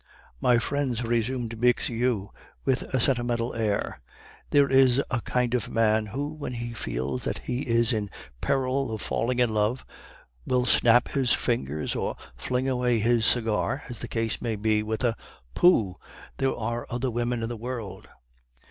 "My friends," resumed Bixiou, with a sentimental air, "there is a kind of man who, when he feels that he is in peril of falling in love, will snap his fingers or fling away his cigar (as the case may be) with a 'Pooh! there are other women in the world.